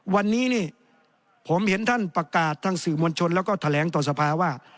วันนี้นี่ผมเห็นท่านประกาศทั้งสื่อมวลชนแล้วก็แถลงต่อสภาว่า